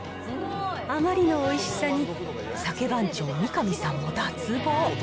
あまりのおいしさに、鮭番長、三上さんも脱帽。